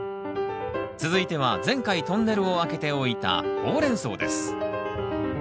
続いては前回トンネルを開けておいたホウレンソウです